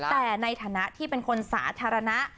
แต่ในฐานะที่เป็นคนสาธารณะ